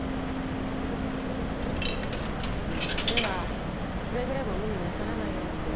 ではくれぐれも無理なさらないようにと。